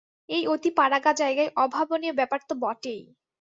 এই অতি পাড়াগাঁ জায়গায় অভাবনীয় ব্যাপার তো বটেই।